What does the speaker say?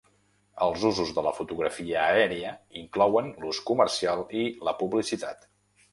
Els usos de la fotografia aèria inclouen l'ús comercial i la publicitat.